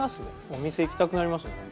お店行きたくなりますね